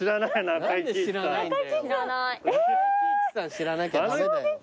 知らなきゃ駄目だよ。